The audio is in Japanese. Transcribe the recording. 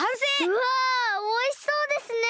うわおいしそうですね。